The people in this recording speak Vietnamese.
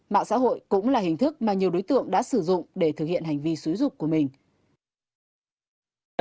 mạng xã hội cũng là hình thức mà nhiều đối tượng đã sử dụng để thực hiện hành vi xúi dục của mình